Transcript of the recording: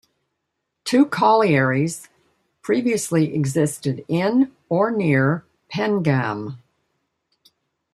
Two collieries previously existed in, or near, Pengam.